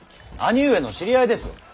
兄上の知り合いです。